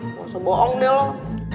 nggak usah bohong deh loh